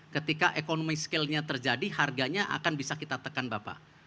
ketika economy skill nya terjadi harganya akan bisa kita tekan bapak